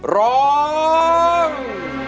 ร้อง